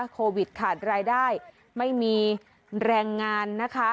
โควิดขาดรายได้ไม่มีแรงงานนะคะ